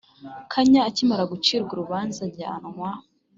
kanya akimara gucirwa urubanza ajyanwa